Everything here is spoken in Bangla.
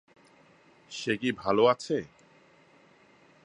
সে কি ভালো আছে?